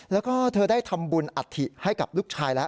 แล้วก็เธอได้ทำบุญอัฐิให้กับลูกชายแล้ว